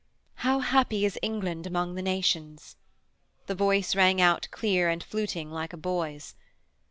' How happy is England among the nations!' The voice rang out clear and fluting like a boy's.